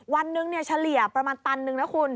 วันหนึ่งเฉลี่ยประมาณตันนึงนะคุณ